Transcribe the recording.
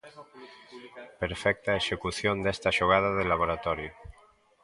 Perfecta a execución nesta xogada de laboratorio.